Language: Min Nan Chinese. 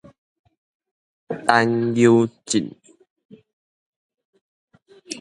陳柔縉